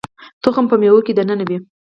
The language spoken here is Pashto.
تخم په مېوه کې دننه وي